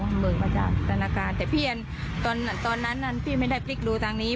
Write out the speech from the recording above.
มันเบิกมาจากธนาคารแต่พี่อันตอนนั้นพี่ไม่ได้พลิกดูทางนี้